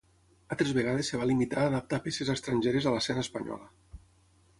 Altres vegades es va limitar a adaptar peces estrangeres a l'escena espanyola.